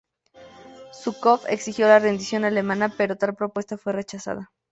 Zhúkov exigió la rendición alemana pero tal propuesta fue rechazada.